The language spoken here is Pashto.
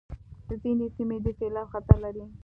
ځینې سیمې د سېلاب خطر لري.